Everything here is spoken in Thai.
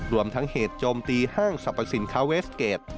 รวมทั้งเหตุโจมตีห้างสรรพสินค้าเวสเกจ